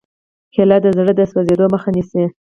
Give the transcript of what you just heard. کېله د زړه د سوځېدو مخه نیسي.